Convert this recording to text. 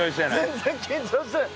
全然緊張してない。